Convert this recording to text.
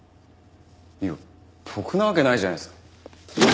いや僕なわけないじゃないですか。